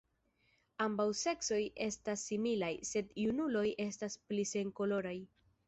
Ambaŭ seksoj estas similaj, sed junuloj estas pli senkoloraj.